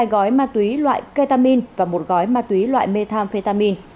hai gói ma túy loại ketamin và một gói ma túy loại methamphetamin